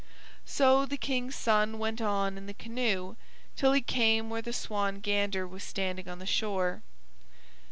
So the King's son went on in the canoe till he came where the Swan Gander was standing on the shore.